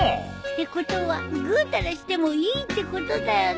てことはぐーたらしてもいいってことだよね。